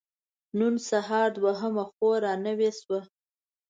نن سهار دوهمه خور را نوې شوه.